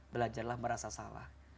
belajarlah merasa salah